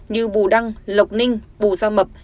như bù đăng lộc ninh bù gia mập